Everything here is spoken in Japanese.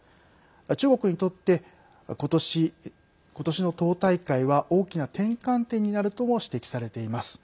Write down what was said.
中国にとってことしの党大会は大きな転換点になるとも指摘されています。